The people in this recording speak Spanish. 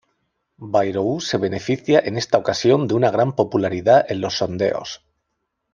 Bayrou se beneficia en esta ocasión de una gran popularidad en los sondeos.